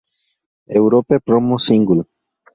Europe promo single